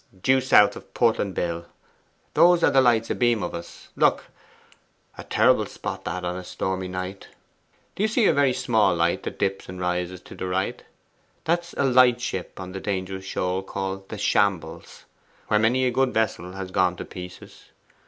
'Due south of Portland Bill. Those are the lights abeam of us: look. A terrible spot, that, on a stormy night. And do you see a very small light that dips and rises to the right? That's a light ship on the dangerous shoal called the Shambles, where many a good vessel has gone to pieces.